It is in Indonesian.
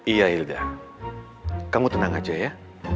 iya ilda kamu tenang aja ya